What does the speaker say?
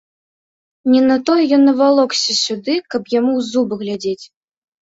Не на тое ён навалокся сюды, каб яму ў зубы глядзець.